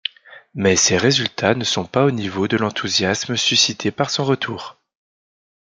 Mais ses résultats ne sont pas au niveau de l'enthousiasme suscité par son retour.